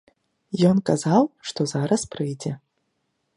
Ён казаў, што зараз прыйдзе.